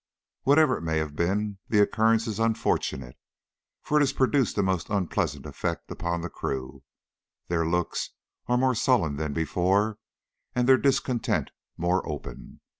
Whatever it may have been, the occurrence is unfortunate, for it has produced a most unpleasant effect upon the crew. Their looks are more sullen than before, and their discontent more open.